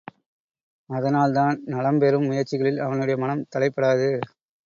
அதனால், தான் நலம் பெறும் முயற்சிகளில் அவனுடைய மனம் தலைப்படாது.